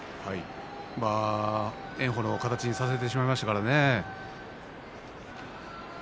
まあ炎鵬の形にされてしまいましたからね。